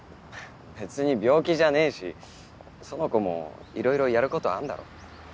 別に病気じゃねえし苑子も色々やることあんだろ？